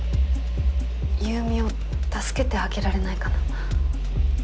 優美を助けてあげられないかな。